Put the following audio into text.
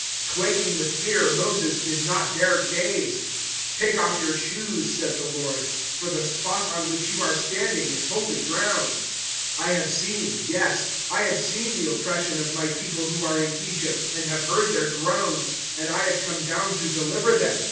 "Quaking with fear Moses did not dare gaze. 007:033 "`Take off your shoes,' said the Lord, `for the spot on which you are standing is holy ground. 007:034 I have seen, yes, I have seen the oppression of My people who are in Egypt and have heard their groans, and I have come down to deliver them.